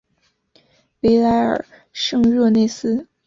维莱尔圣热内斯。